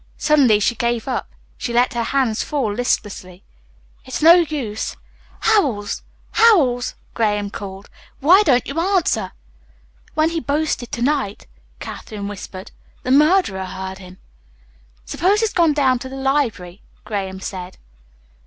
Suddenly she gave up. She let her hands fall listlessly. "It's no use." "Howells! Howells!" Graham called. "Why don't you answer?" "When he boasted to night," Katherine whispered, "the murderer heard him." "Suppose he's gone down to the library?" Graham said.